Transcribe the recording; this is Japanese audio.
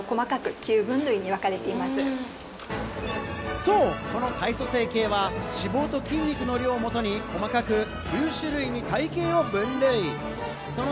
そう、この体組成計は脂肪と筋肉の量をもとに細かく９種類に体形を分類。